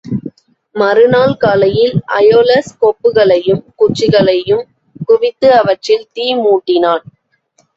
மறு நாள் காலையில் அயோலஸ் கொப்புக்களையும் குச்சிகளையும் குவித்து, அவற்றில் தீ மூட்டினான்.